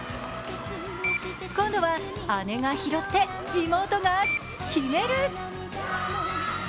今度は姉が拾って妹が決める。